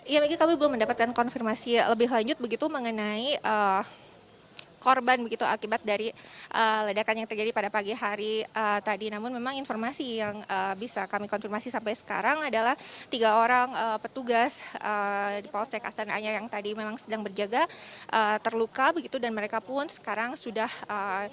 ya maggie kami belum mendapatkan konfirmasi lebih lanjut begitu mengenai korban begitu akibat dari ledakan yang terjadi pada pagi hari tadi namun memang informasi yang bisa kami konfirmasi sampai sekarang adalah tiga orang petugas di polsek astana anyar yang tadi memang sedang berjaga terluka begitu dan mereka pun sekarang sudah berjaga